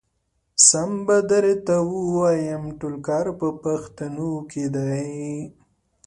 سم به درته ووايم ټول کار په پښتنو کې دی.